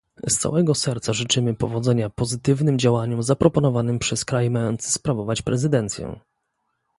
Z całego serca życzymy powodzenia pozytywnym działaniom zaproponowanym przez kraj mający sprawować prezydencję